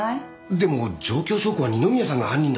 でも状況証拠は二宮さんが犯人だと言ってます。